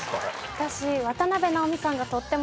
私。